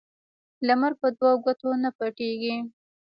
لمر په دوو ګوتو نه پټېږي